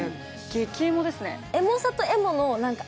激エモですね。